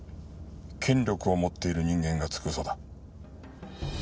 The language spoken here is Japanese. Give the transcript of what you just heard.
権力を持っている人間がつく嘘だ。